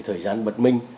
thời gian bất minh